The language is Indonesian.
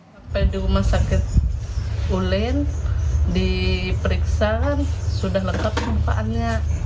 tapi di rumah sakit ulen diperiksa sudah lengkap kemampuannya